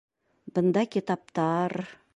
Бында китаптар...